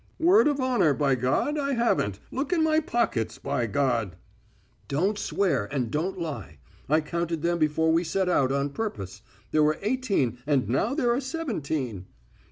"Word of honour, by God, I haven't! Look in my pockets, by God!" "Don't swear, and don't lie. I counted them before we set out, on purpose.... There were eighteen and now there are seventeen."